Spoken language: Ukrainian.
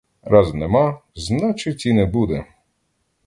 Раз нема — значить, і не буде!